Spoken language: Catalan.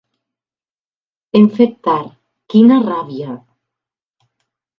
Hem fet tard: quina ràbia!